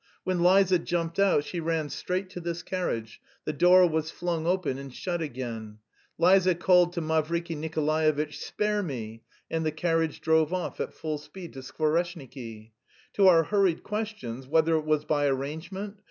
When Liza jumped out, she ran straight to this carriage; the door was flung open and shut again; Liza called to Mavriky Nikolaevitch, "Spare me," and the carriage drove off at full speed to Skvoreshniki. To our hurried questions whether it was by arrangement?